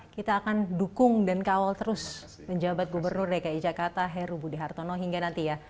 kita akan dukung dan kawal terus menjabat gubernur dki jakarta heru budi hartono hingga nanti ya